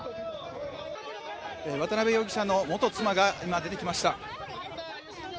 渡辺容疑者の元妻が、今出てきました。